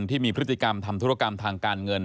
ที่มีพฤติกรรมทำธุรกรรมทางการเงิน